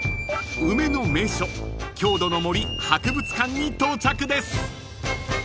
［梅の名所郷土の森博物館に到着です］